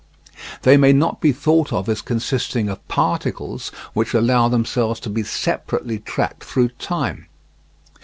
They may not be thought of as consisting of particles which allow themselves to be separately tracked through time.